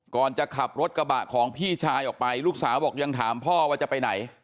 ก่อนจะขับรถกระบะของพี่ชายออกไปลูกสาวบอกยังถามพ่อว่าจะไปไหน